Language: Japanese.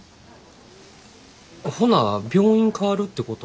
ほな病院変わるってこと？